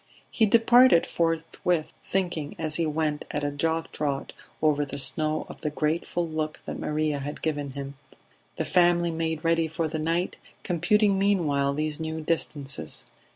He, departed forthwith, thinking as he went at a jog trot over the snow of the grateful look that Maria had given him. The family made ready for the night, computing meanwhile these new distances